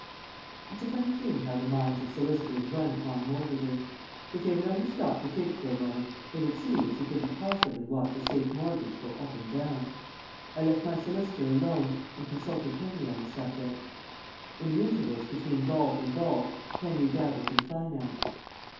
It's a funny thing how the minds of solicitors run upon mortgages. If they would only stop to think for a moment they would see that you couldn't possibly watch a safe mortgage go up and down. I left my solicitor alone and consulted Henry on the subject. In the intervals between golf and golf Henry dabbles in finance.